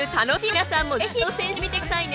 皆さんもぜひ挑戦してみてくださいね。